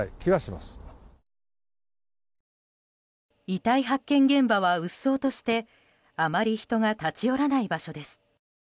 遺体発見現場はうっそうとしてあまり人が立ち寄らない場所です。